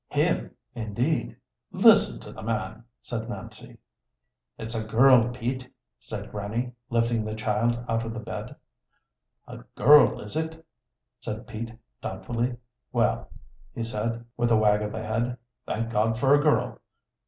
"Him, indeed! Listen to the man," said Nancy. "It's a girl, Pete," said Grannie, lifting the child out of the bed. "A girl, is it?" said Pete doubtfully. "Well," he said, with a wag of the head, "thank God for a girl."